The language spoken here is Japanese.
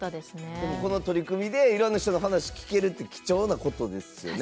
でもこの取り組みでいろんな人の話聞けるって貴重なことですよね。